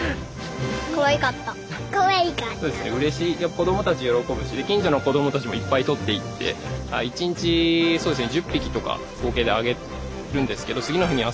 子どもたち喜ぶし近所の子どもたちもいっぱいとっていってうんすごい。